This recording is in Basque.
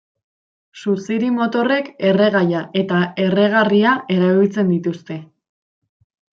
Suziri motorrek erregaia eta erregarria erabiltzen dituzte.